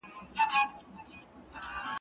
د غزل څراغ په لاس کې